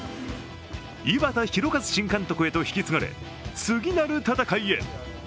井端弘和新監督へと引き継がれ次なる戦いへ。